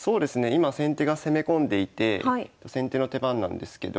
今先手が攻め込んでいて先手の手番なんですけど